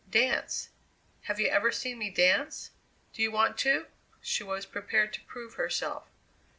"Dance. Have you ever seen me dance? Do you want to?" She was prepared to prove herself.